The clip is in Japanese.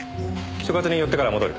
所轄に寄ってから戻る。